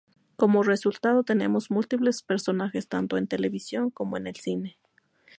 Como resultado tenemos múltiples personajes tanto en televisión como en el cine.